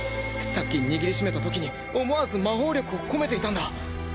さっき握りしめたときに思わず魔法力を込めていたんだ。